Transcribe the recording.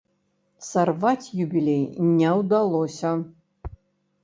Сарваць юбілей не ўдалося.